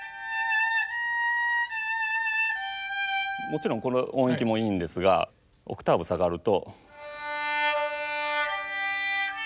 もちろんこの音域もいいんですがオクターブ下がると。